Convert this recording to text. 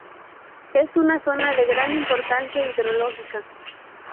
Es una zona de gran importancia hidrológica.